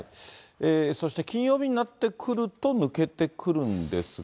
そして金曜日になってくると、抜けてくるんですか。